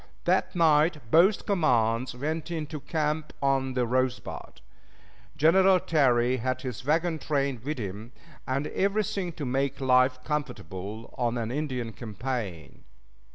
That night both commands went into camp on the Rosebud. General Terry had his wagon train with him, and everything to make life comfortable on an Indian campaign.